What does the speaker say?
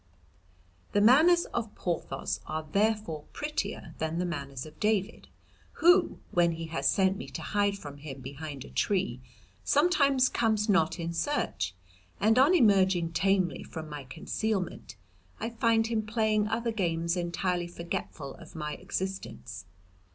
"The manners of Porthos are therefore prettier than the manners of David, who when he has sent me to hide from him behind a tree sometimes comes not in search, and on emerging tamely from my concealment I find him playing other games entirely forgetful of my existence.